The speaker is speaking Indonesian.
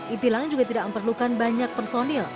etlang juga tidak memperlukan banyak personil